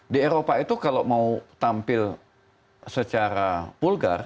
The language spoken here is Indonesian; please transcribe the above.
di eropa itu kalau mau tampil secara vulgar